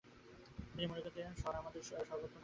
তিনি মনে করতেন শ্বর আমাদের সর্বোত্তম আশা ও প্রত্যাশার উৎস।